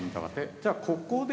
じゃあここで。